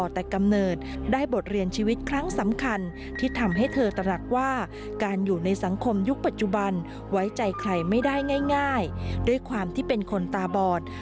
เจาะประเด็นจากรายงานของคุณบงกฎช่วยนิ่มครับ